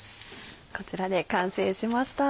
こちらで完成しました。